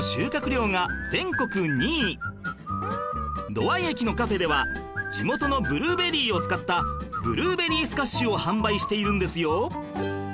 土合駅のカフェでは地元のブルーベリーを使ったブルーベリースカッシュを販売しているんですよ